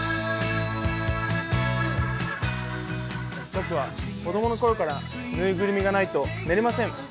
僕は子供のころから縫いぐるみがないと寝れません。